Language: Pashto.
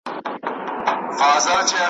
تر ابده پر تا نوم د ښکار حرام دی ,